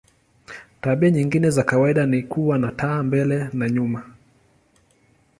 Tabia nyingine za kawaida ni kuwa na taa mbele na nyuma.